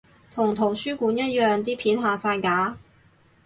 同圖書館一樣啲片下晒架？